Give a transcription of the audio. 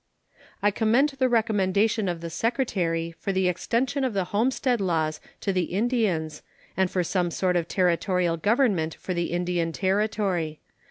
I commend the recommendation of the Secretary for the extension of the homestead laws to the Indians and for some sort of Territorial government for the Indian Territory.